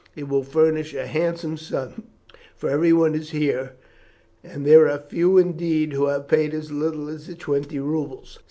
It will furnish a handsome sum, for everyone is here, and there are few indeed who have paid as little as the twenty roubles.